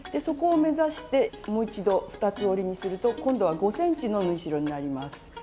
そこを目指してもう一度二つ折りにすると今度は５ｃｍの縫い代になります。